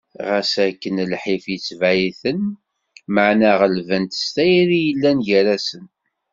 Ɣas akken lḥif, yetbeε-iten, meɛna γelben-t s tayri i yellan gar-asen.